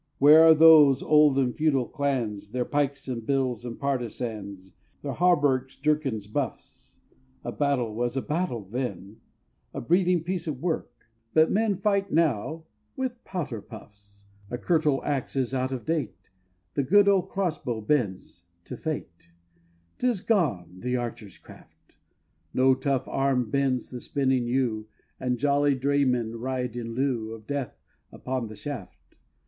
Where are those old and feudal clans, Their pikes, and bills, and partisans, Their hauberks, jerkins, buffs? A battle was a battle then, A breathing piece of work; but men Fight now with powder puffs! The curtal axe is out of date; The good old crossbow bends to Fate; 'Tis gone, the archer's craft! No tough arm bends the spinning yew, And jolly draymen ride, in lieu Of Death, upon the shaft!